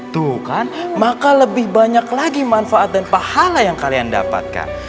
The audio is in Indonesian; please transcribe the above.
tuh kan maka lebih banyak lagi manfaat dan pahala yang kalian dapatkan